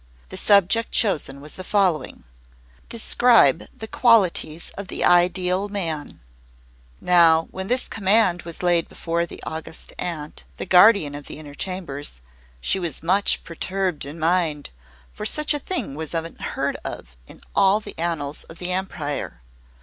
The subject chosen was the following: Describe the Qualities of the Ideal Man Now when this command was laid before the August Aunt, the guardian of the Inner Chambers, she was much perturbed in mind, for such a thing was unheard of in all the annals of the Empire.